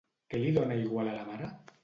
Què li dona igual a la mare?